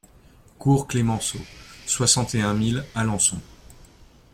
Cours Clemenceau, soixante et un mille Alençon